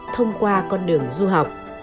thông qua con đường du học